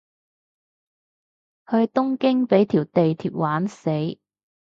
去東京畀條地鐵玩死